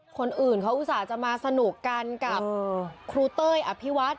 คนอื่นเขาอุตส่าห์จะมาสนุกกันกับครูเต้ยอภิวัต